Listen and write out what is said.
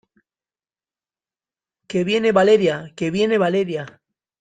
que viene Valeria, que viene Valeria.